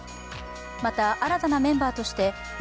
また、新たなメンバーとして元